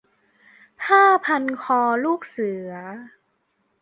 - ผ้าพันคอลูกเสือ